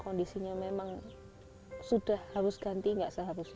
kondisinya memang sudah harus ganti nggak seharusnya